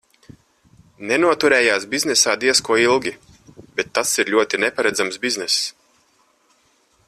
Nenoturējās biznesā diez ko ilgi, bet tas ir ļoti neparedzams bizness.